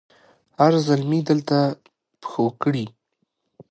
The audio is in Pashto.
هر زلمي دلته پښو کړي